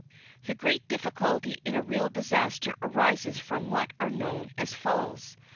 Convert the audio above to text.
The great difficulty, in a real disaster, arises from what are known as "falls."